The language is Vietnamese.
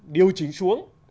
điêu chính xuống